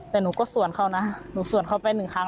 แต่หนูก็สวนเขานะหนูสวนเขาไปหนึ่งครั้ง